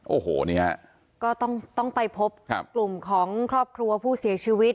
โอ้โหนี่ฮะก็ต้องไปพบกลุ่มของครอบครัวผู้เสียชีวิต